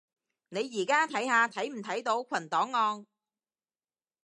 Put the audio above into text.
你而家睇下睇唔睇到群檔案